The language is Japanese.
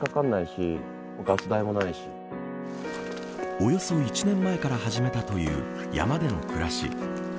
およそ１年前から始めたという山での暮らし。